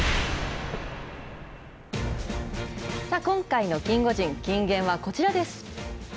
今回のキンゴジン、金言はこちらです。